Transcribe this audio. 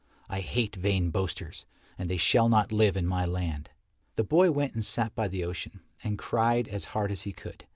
I hate vain boasters, and they shall not live in my land." The boy went and sat by the ocean, and cried as hard as he could.